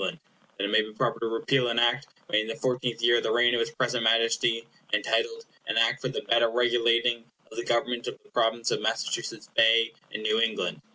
And that it may be proper to repeal an Act made in the fourteenth year of the reign of his present Majesty, entitled, An Act for the better regulating of the Government of the Province of the Massachusetts Bay, in New England.